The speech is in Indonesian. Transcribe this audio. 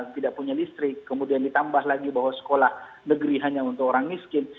tidak punya listrik kemudian ditambah lagi bahwa sekolah negeri hanya untuk orang miskin